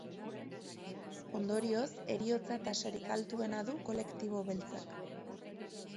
Ondorioz, heriotza-tasarik altuena du kolektibo beltzak.